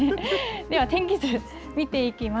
では、天気図見ていきます。